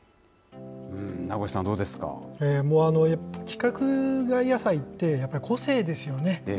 規格外野菜って、やっぱ個性ですよね。